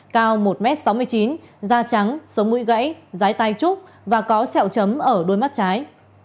cao một m sáu mươi chín da trắng sống mũi gãy tay trúc và có sẹo chấm ở đuôi mắt trái